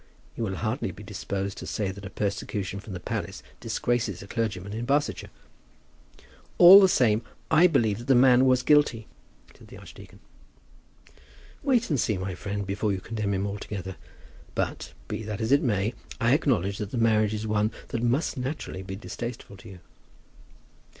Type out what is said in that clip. You will hardly be disposed to say that persecution from the palace disgraces a clergyman in Barsetshire." "All the same, I believe that the man was guilty," said the archdeacon. "Wait and see, my friend, before you condemn him altogether. But, be that as it may, I acknowledge that the marriage is one which must naturally be distasteful to you."